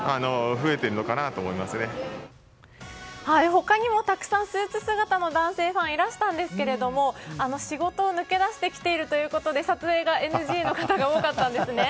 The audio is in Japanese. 他にもたくさんスーツ姿の男性ファンがいらしたんですけれど、仕事を抜け出してきているということで撮影がＮＧの方が多かったんですね。